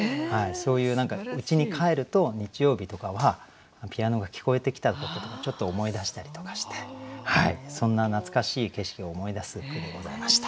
そういううちに帰ると日曜日とかはピアノが聞こえてきたこととかちょっと思い出したりとかしてそんな懐かしい景色を思い出す句でございました。